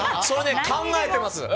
それね、考えてます！